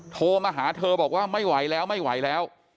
โทรมาหาเธอบอกว่าไม่ไหวแล้วไม่ไหวแล้ว